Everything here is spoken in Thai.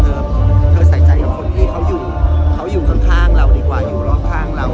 เพราะเธอใส่ใจกับคนที่เค้าอยู่ข้างเราอีกกว่าอยู่รองข้างเรา